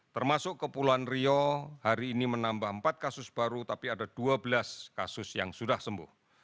termasuk kepulauan rio hari ini menambah empat kasus baru tapi ada dua belas kasus yang sudah sembuh